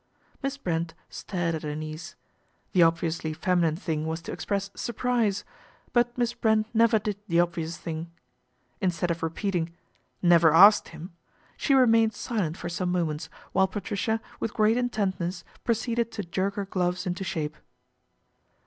Miss Brent stared at her niece. The obviously feminine thing was to express surprise ; but Miss Brent never did the obvious thing. Instead of repeating, " Never asked him !" she remained silent for some moments while Patricia, with great intentness, proceeded to jerk her gloves into shape.